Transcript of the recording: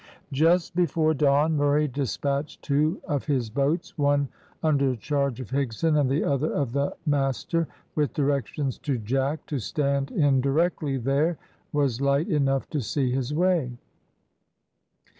Just before dawn Murray despatched two of his boats, one under charge of Higson, and the other of the master, with directions to Jack to stand in directly there was light enough to see his way.